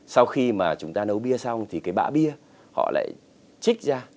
sau khi mà chúng ta nấu bia xong thì cái bã bia họ lại trích ra